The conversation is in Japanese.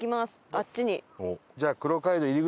あっちに。